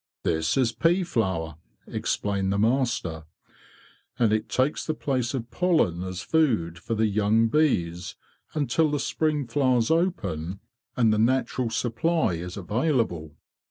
""This is pea flour,'? explained the master, "and it takes the place of pollen as food for the young bees, until the spring flowers open and the natural supply is available.